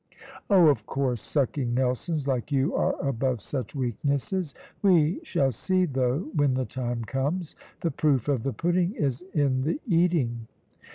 "Oh, of course, sucking Nelsons like you are above such weaknesses; we shall see, though, when the time comes. The proof of the pudding is in the eating."